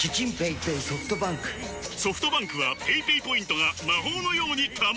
ソフトバンクはペイペイポイントが魔法のように貯まる！